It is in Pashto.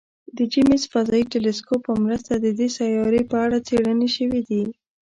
د جیمز فضايي ټیلسکوپ په مرسته د دې سیارې په اړه څېړنې شوي دي.